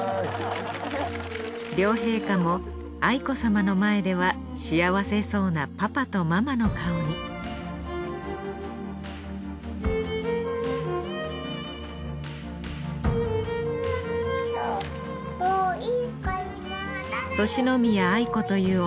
両陛下も愛子さまの前では幸せそうなパパとママの顔にもういいかいまあだだよ。